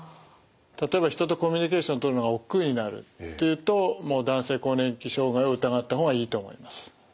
例えば人とコミュニケーションとるのがおっくうになるというともう男性更年期障害を疑った方がいいと思います。